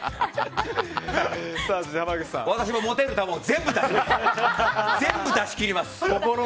私も持てる玉を全部出し切ります！